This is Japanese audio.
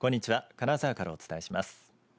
金沢からお伝えします。